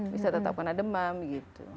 bisa tetap kena demam gitu